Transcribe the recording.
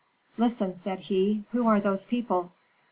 "Listen," said he; "who are those people?"